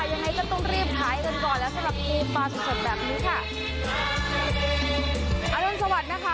ยังไงก็ต้องรีบขายกันก่อนแล้วสำหรับมีปลาสดสดแบบนี้ค่ะอรุณสวัสดิ์นะคะ